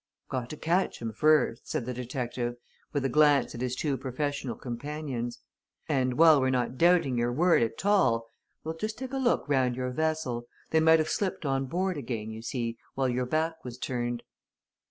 "Got to catch 'em first," said the detective, with a glance at his two professional companions. "And while we're not doubting your word at all, we'll just take a look round your vessel they might have slipped on board again, you see, while your back was turned."